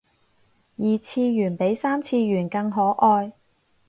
二次元比三次元更可愛